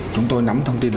chúng tôi nắm thông tin